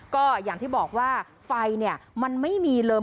ก็อย่างที่บอกว่าไฟเนี่ยมันไม่มีเลย